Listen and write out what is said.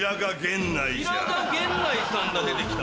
平賀源内さんが出てきた。